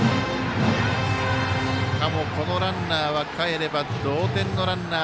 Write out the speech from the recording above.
このランナーは、かえれば同点のランナー。